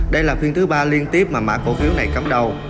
đây là phiên thứ ba liên tiếp mà mã cổ phiếu này cắm đầu